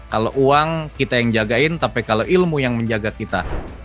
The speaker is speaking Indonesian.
kalau uang kita yang jagain tapi kalau ilmu yang menjaga kita